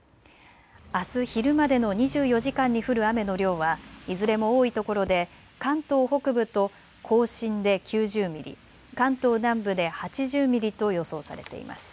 あす昼までの２４時間に降る雨の量はいずれも多いところで関東北部と甲信で９０ミリ、関東南部で８０ミリと予想されています。